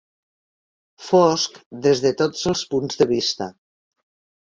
Fosc des de tots els punts de vista.